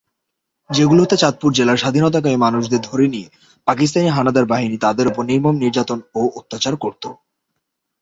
যেগুলোতে চাঁদপুর জেলার স্বাধীনতাকামী মানুষদের ধরে নিয়ে পাকিস্তানি হানাদার বাহিনী তাদের উপর নির্মম নির্যাতন ও অত্যাচার করত।